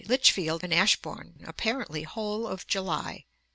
Lichfield and Ashbourn, apparently whole of July.